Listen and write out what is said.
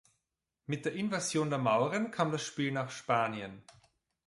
Mit der Invasion der Mauren kam das Spiel nach Spanien.